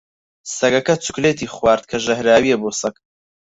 سەگەکە چوکلێتی خوارد، کە ژەهراوییە بۆ سەگ.